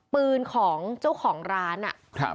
ปืนของเจ้าของร้านอ่ะ